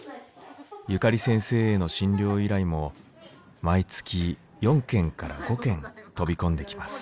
ゆかり先生への診療依頼も毎月４件から５件飛び込んできます。